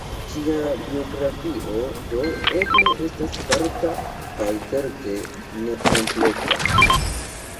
Ŝia biografio, do, eble estas parta kaj certe nekompleta.